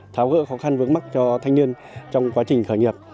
tháo gỡ khó khăn vướng mắt cho thanh niên trong quá trình khởi nghiệp